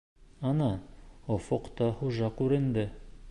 Ана, офоҡта хужа күренде.